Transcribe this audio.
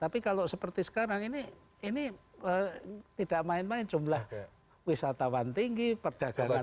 tapi kalau seperti sekarang ini tidak main main jumlah wisatawan tinggi perdagangan